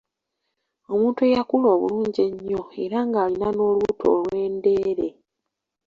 Omuntu eyakula obulungi ennyo era ng'alina n'olubuto olwendeere.